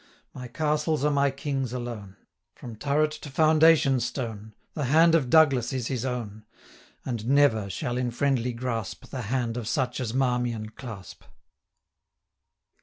My castles are my King's alone, From turret to foundation stone 405 The hand of Douglas is his own; And never shall in friendly grasp The hand of such as Marmion clasp.'